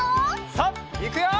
さあいくよ！